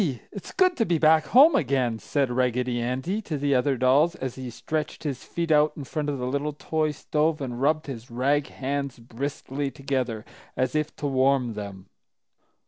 It's good to be back home again!" said Raggedy Andy to the other dolls, as he stretched his feet out in front of the little toy stove and rubbed his rag hands briskly together, as if to warm them.